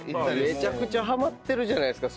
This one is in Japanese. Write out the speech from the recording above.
めちゃくちゃハマってるじゃないですか。